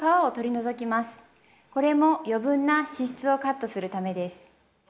これも余分な脂質をカットするためです。